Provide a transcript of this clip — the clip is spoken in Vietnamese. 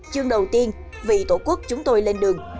chương đầu tiên vì tổ quốc chúng tôi lên đường